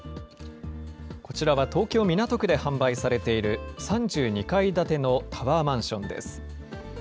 こちらは東京・港区で販売されている３２階建てのタワーマンションです。